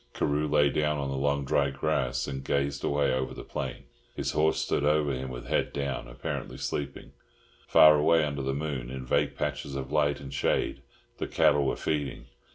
Carew lay down on the long dry grass and gazed away over the plain. His horse stood over him with head down, apparently sleeping. Far away under the moon, in vague patches of light and shade, the cattle were feeding.